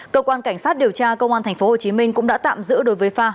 cơ quan cảnh sát điều tra công an tp hcm cũng đã tạm giữ đối với pha